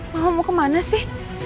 mama mau kemana sih